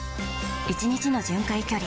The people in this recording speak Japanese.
１日の巡回距離